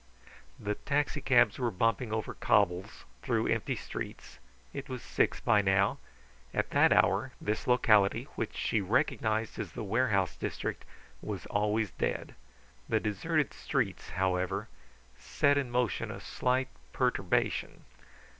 The taxicabs were bumping over cobbles, through empty streets. It was six by now; at that hour this locality, which she recognized as the warehouse district, was always dead. The deserted streets, how ever, set in motion a slight perturbation.